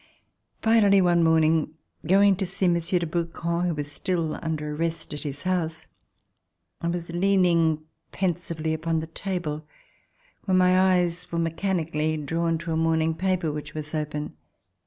Finally, one morning, going to see Monsieur de Brouquens, who was still under arrest at his house, I was leaning pensively upon the table, when my eyes were me chanically drawn to a morning paper which was open.